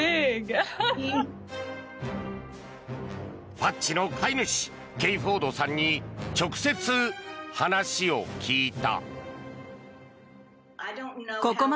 パッチの飼い主ケイ・フォードさんに直接話を聞いた。